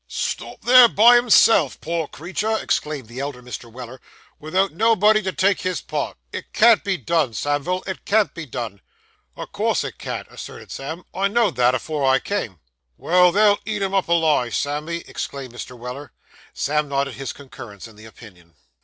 'Stop there by himself, poor creetur!' exclaimed the elder Mr. Weller, 'without nobody to take his part! It can't be done, Samivel, it can't be done.' 'O' course it can't,' asserted Sam: 'I know'd that, afore I came.' Why, they'll eat him up alive, Sammy,' exclaimed Mr. Weller. Sam nodded his concurrence in the opinion.